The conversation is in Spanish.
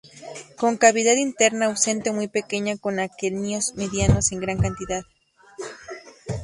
Con cavidad interna ausente o muy pequeña, con aquenios medianos en gran cantidad.